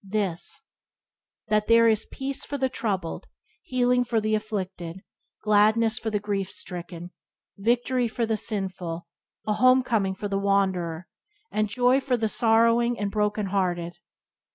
This: that there is peace for the troubled, healing for the afflicted, gladness for the grief stricken, victory for the sinful, a homecoming for the wanderer, and joy for the sorrowing and broken hearted.